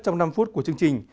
trong năm phút của chương trình